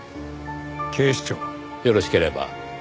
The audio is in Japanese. よろしければ。